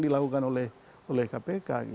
dilakukan oleh kpk